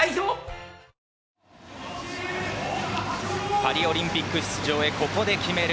パリオリンピック出場へココで、決める。